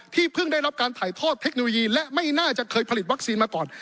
เพิ่งได้รับการถ่ายทอดเทคโนโลยีและไม่น่าจะเคยผลิตวัคซีนมาก่อน